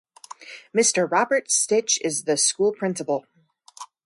Mr Robert Stitch is the school principal.